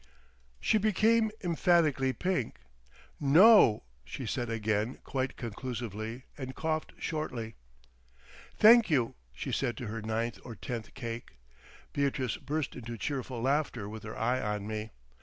She became emphatically pink. "No," she said again quite conclusively, and coughed shortly. "Thank you," she said to her ninth or tenth cake. Beatrice burst into cheerful laughter with her eye on me.